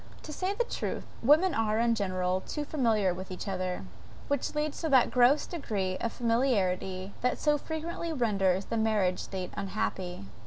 To say the truth, women are, in general, too familiar with each other, which leads to that gross degree of familiarity that so frequently renders the marriage state unhappy.